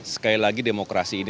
sekali lagi demokrasi ini